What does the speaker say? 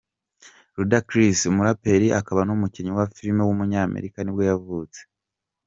Rudacriss, umuraperi akaba n’umukinnyi wa film w’umunyamerika nibwo yavutse.